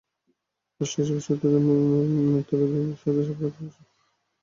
রাষ্ট্র হিসেবে শত্রু-মিত্র নির্ধারণ এবং তার সাপেক্ষে আত্মপরিচয়ের পুনর্গঠনও বকেয়া হয়ে আছে।